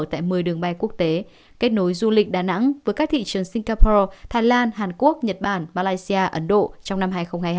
tại một mươi đường bay quốc tế kết nối du lịch đà nẵng với các thị trường singapore thái lan hàn quốc nhật bản malaysia ấn độ trong năm hai nghìn hai mươi hai